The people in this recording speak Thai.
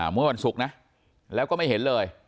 เมื่อวันศุกร์นะแล้วก็ไม่เห็นเลย